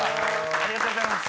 ありがとうございます。